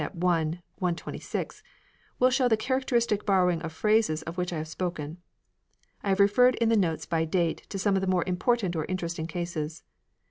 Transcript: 126), will show the characteristic borrowing of phrases of which I have spoken. I have referred in the notes by date to some of the more important or interesting cases.